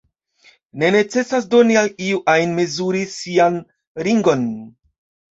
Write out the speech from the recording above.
Ne necesas doni al iu ajn mezuri sian ringon.